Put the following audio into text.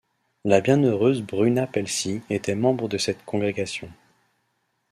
La bienheureuse Bruna Pellesi était membre de cette congrégation.